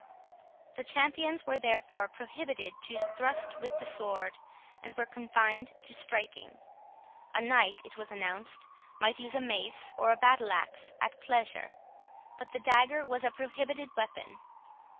The champions were therefore prohibited to thrust with the sword, and were confined to striking. A knight, it was announced, might use a mace or battle axe at pleasure, but the dagger was a prohibited weapon.